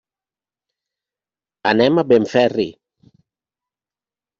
Anem a Benferri.